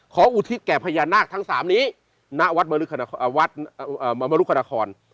ขออุทิษฐ์แก่พญานาคทั้งสามนี้ณวัฒน์มรุขนคร